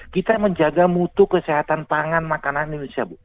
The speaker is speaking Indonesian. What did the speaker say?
kita menjaga mutu kesehatan pangan makanan indonesia bu